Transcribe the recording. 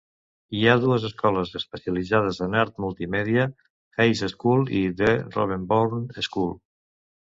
Hi ha dues escoles especialitzades en art multimèdia: Hayes School i The Ravensbourne School.